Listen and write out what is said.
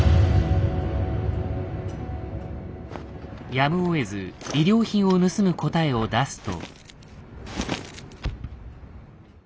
やむをえず医療品を盗む答えを出すと。